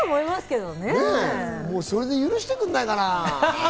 もうそれで許してくんないかな？